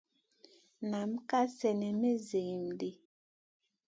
Nam ka slenè may zihim ɗi.